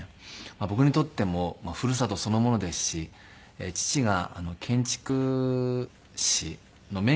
僕にとってもふるさとそのものですし父が建築士の免許を持っているんですね。